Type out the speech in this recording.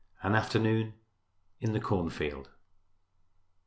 AN AFTERNOON IN THE CORNFIELD.